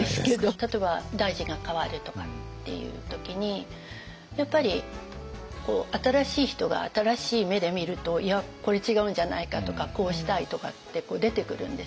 例えば大臣が代わるとかっていう時にやっぱり新しい人が新しい目で見ると「いやこれ違うんじゃないか」とか「こうしたい」とかって出てくるんですよね。